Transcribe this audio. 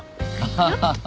ハハハハ。